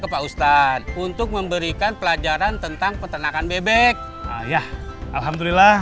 ke pak ustadz untuk memberikan pelajaran tentang peternakan bebek ya alhamdulillah